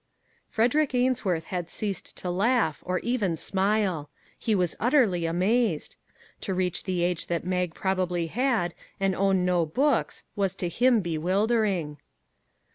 Frederick Ainsworth had ceased to laugh, or even smile. He was utterly amazed. To reach the age that Mag probably had, and own no books, was to him bewildering.